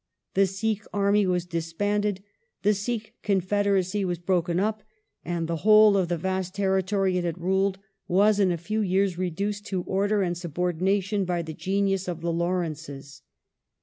The Sikh army was disbanded ; the Sikh confederacy was broken up, and the whole of the vast territory it had ruled was in a few years reduced to order and subordination by the genius of the Lawrences.